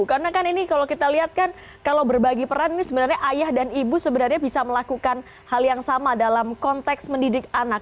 karena kan ini kalau kita lihat kan kalau berbagi peran ini sebenarnya ayah dan ibu sebenarnya bisa melakukan hal yang sama dalam konteks mendidik anak